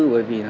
bởi vì nó